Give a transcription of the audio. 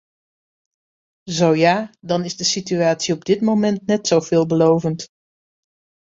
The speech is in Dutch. Zo ja, dan is de situatie op dit moment net zo veelbelovend.